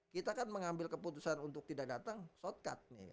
kita kan mengambil keputusan untuk tidak datang shortcut